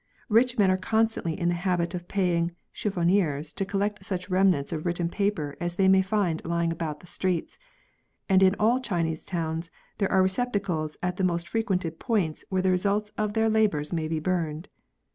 Eich men are con stantly in the habit of paying chiffoniers to collect such remnants of written paper as they may find lying about the streets, and in all Chinese towns there are receptacles at the most frequented points where the results of their labours may be burned.